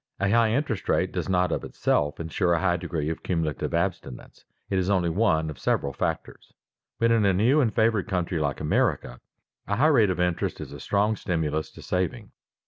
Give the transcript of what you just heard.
A high interest rate does not of itself insure a high degree of cumulative abstinence; it is only one of several factors. But in a new and favored country like America, a high rate of interest is a strong stimulus to saving.